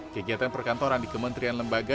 kegiatan perkantoran di kementerian lembaga